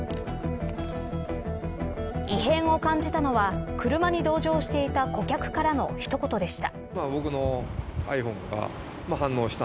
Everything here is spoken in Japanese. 異変を感じたのは車に同乗していた顧客からの一言でした。